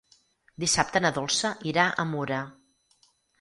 Dissabte na Dolça irà a Mura.